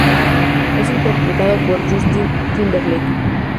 Es interpretado por Justin Timberlake.